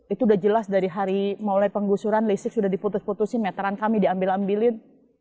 itu udah jelas dari hari mulai penggusuran listrik sudah diputus putusin meteran kami diambil ambilin